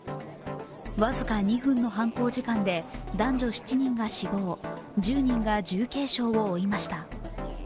僅か２分の犯行時間で男女７人が死亡、１０人が重軽傷を負いました。